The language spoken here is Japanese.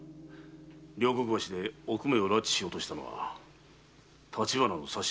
両国橋でおくめを拉致しようとしたのは立花の指図だったのか。